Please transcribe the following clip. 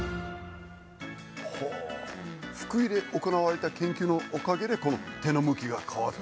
福井で行われた研究のおかげでこの手の向きが変わった。